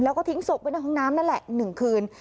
แล้วก็ทิ้งศพไว้ในห้องน้ำนั่นแหละ๑คืน